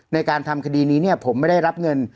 ในการทำคดีนี้เนี่ยผมไม่ได้รับเงิน